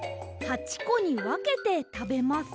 ８こにわけてたべます。